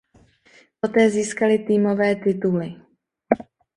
Poté získali týmové tituly.